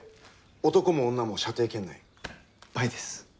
男も女も射程圏内バイです！